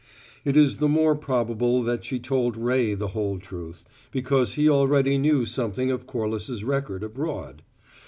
It is the more probable that she told Ray the whole truth, because he already knew something of Corliss's record abroad.